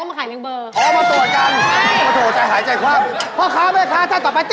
ก็มันขายเรียงเบอร์เฉยเจ้าพ่อแม่ข้าถ้าต่อไป